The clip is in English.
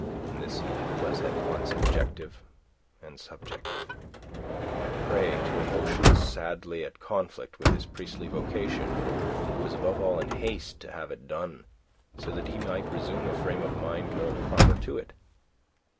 In this he was at once objective and subjective. A prey to emotions sadly at conflict with his priestly vocation, he was above all in haste to have done, so that he might resume a frame of mind more proper to it.